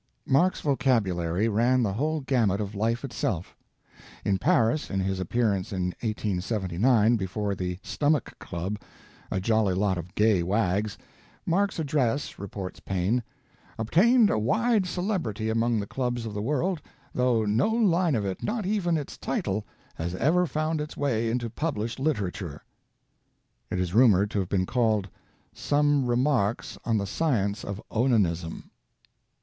Mark's vocabulary ran the whole gamut of life itself. In Paris, in his appearance in 1879 before the Stomach Club, a jolly lot of gay wags, Mark's address, reports Paine, "obtained a wide celebrity among the clubs of the world, though no line of it, not even its title, has ever found its way into published literature." It is rumored to have been called "Some Remarks on the Science of Onanism."